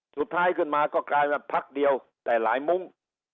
สุดท้ายขึ้นมาก็กลายมาพักเดียวแต่หลายมุ้ง